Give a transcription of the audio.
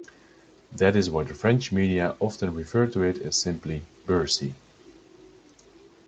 That is why the French media often refer to it as simply "Bercy".